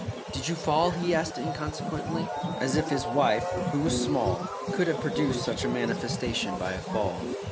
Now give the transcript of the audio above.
"Did you fall?" he asked inconsequently, as if his wife, who was small, could have produced such a manifestation by a fall.